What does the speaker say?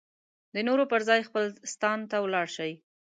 د نورو پر ځای خپل ستان ته ولاړ شي.